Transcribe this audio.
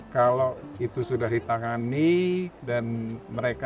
kalau itu sudah ditangani dan mereka